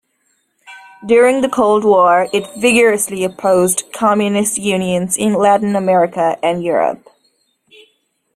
During the Cold War it vigorously opposed Communist unions in Latin America and Europe.